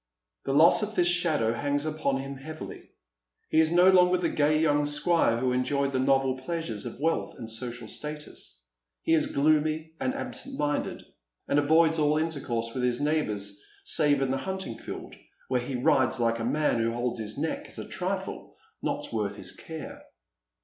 The loss of this shadow hangs upon him heavily. He is no longer the gay young squire who enjoyed the novel pleasures of wealth and social status. He is gloomy and absent minded, and avoids all intercourse with his neighbours, save in the hunting field, where he rides like a man who holdi his neck as a triiienot worth his care.